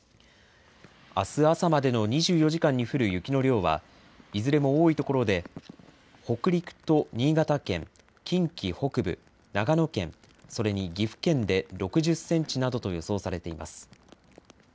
あす朝までの２４時間に降る雪の量は、いずれも多い所で、北陸と新潟県、近畿北部、長野県、それに岐阜県で６０センチなどと予想されています。